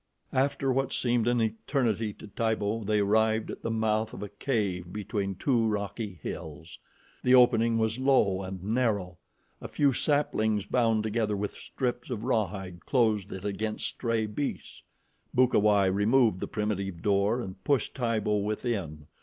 After what seemed an eternity to Tibo, they arrived at the mouth of a cave between two rocky hills. The opening was low and narrow. A few saplings bound together with strips of rawhide closed it against stray beasts. Bukawai removed the primitive door and pushed Tibo within.